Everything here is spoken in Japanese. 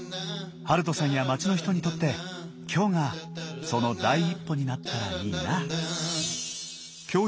遥人さんや街の人にとって今日がその第一歩になったらいいな。